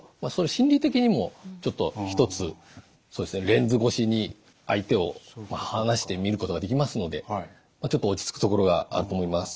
レンズ越しに相手を離して見ることができますのでちょっと落ち着くところがあると思います。